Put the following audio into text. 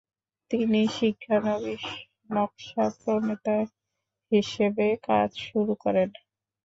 তিনি 'শিক্ষানবিশ নকশা প্রণেতা' হিসেবে কাজ শুরু করেন।